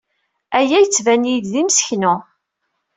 Aya yettban-iyi-d d imseknu.